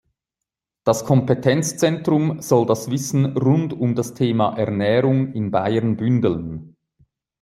Das Kompetenzzentrum soll das Wissen rund um das Thema Ernährung in Bayern bündeln.